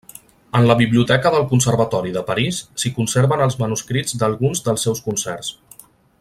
En la biblioteca del Conservatori de París s'hi conserven els manuscrits d'alguns dels seus concerts.